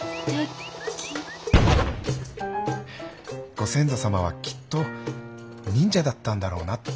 ご先祖様はきっと忍者だったんだろうなって。